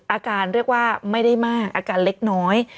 อาการเรียกว่าไม่ได้มากอาการเล็กน้อย